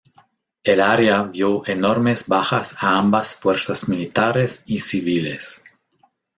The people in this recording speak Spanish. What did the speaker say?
El área vio enormes bajas a ambas fuerzas militares y civiles.